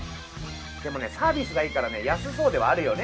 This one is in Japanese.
でもねサービスがいいからね安そうではあるよね。